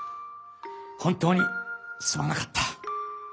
本当にすまなかった。